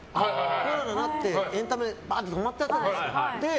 コロナになってエンタメが止まっちゃったじゃないですか。